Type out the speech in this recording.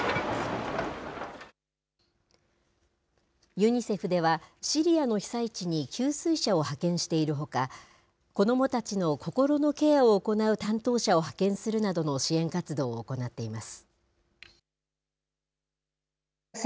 ユニセフでは、シリアの被災地に給水車を派遣しているほか、子どもたちの心のケアを行う担当者を派遣するなどの支援活動を行っています。